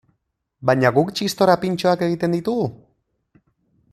Baina guk txistorra pintxoak egiten ditugu?